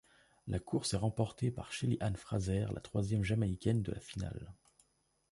La course est remportée par Shelly-Ann Fraser, la troisième Jamaïcaine de la finale.